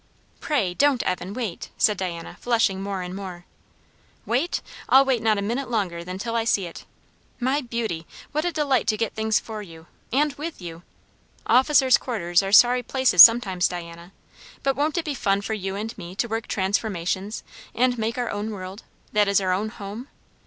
"Pray don't, Evan. Wait," said Diana, flushing more and more. "Wait? I'll not wait a minute longer than till I see it. My beauty! what a delight to get things for you and with you! Officers' quarters are sorry places sometimes, Diana; but won't it be fun for you and me to work transformations, and make our own world; that is our own home?